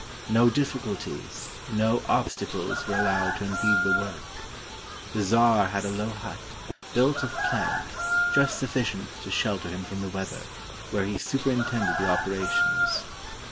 No difficulties, no obstacles were allowed to impede the work. The czar had a low hut, built of plank, just sufficient to shelter him from the weather, where he superintended the oper ations.